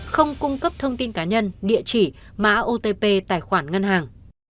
không cung cấp thông tin cá nhân địa chỉ mã otp tài khoản ngân hàng